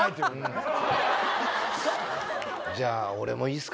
じゃあ。